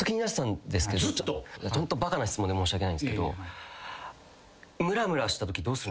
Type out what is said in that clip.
ホントバカな質問で申し訳ないんすけど。